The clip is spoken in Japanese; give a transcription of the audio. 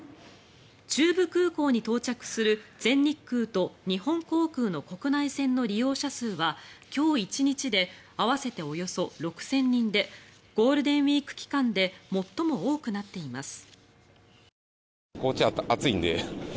中部空港に到着する全日空と日本航空の国内線の利用者数は今日１日で合わせておよそ６０００人でゴールデンウィーク期間で最も多くなっています。